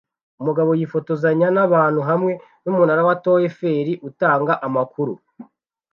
Umugabo yifotozanya nabantu hamwe numunara wa to eferi utanga amakuru